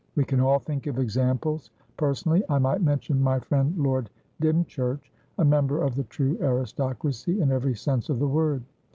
We can all think of examples. Personally, I might mention my friend Lord Dymchurcha member of the true aristocracy, in every sense of the word."